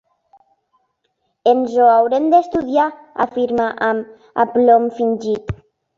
Ens ho haurem d'estudiar —afirma amb aplom fingit—.